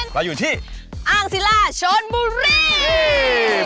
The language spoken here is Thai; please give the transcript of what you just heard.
เราอยู่ที่อ้างศิลาชนบุรี